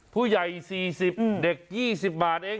ผู้ใหญ่๔๐เด็ก๒๐บาทเอง